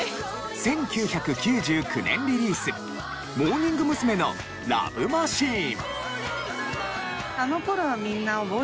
１９９９年リリースモーニング娘。の『ＬＯＶＥマシーン』。